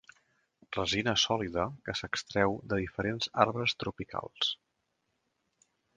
Resina sòlida que s'extreu de diferents arbres tropicals.